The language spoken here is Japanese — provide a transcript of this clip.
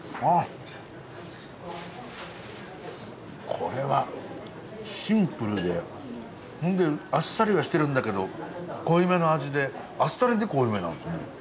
これはシンプルであっさりはしてるんだけど濃いめの味であっさりで濃いめなんですね。